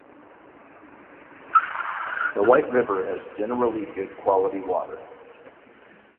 The White River has generally good-quality water.